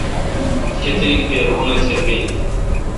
کیتک دیر اوں نتھ بیل۔